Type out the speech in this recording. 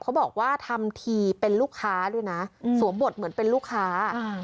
เขาบอกว่าทำทีเป็นลูกค้าด้วยนะสวมบทเหมือนเป็นลูกค้าอ่า